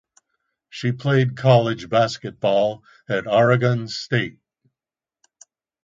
She played college basketball at Oregon State.